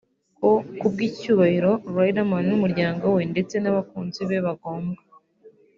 ko ku bw'icyubahiro Riderman n'umuryango we ndetse n'abakunzi be bagombwa